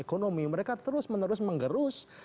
ekonomi mereka terus menerus menggerus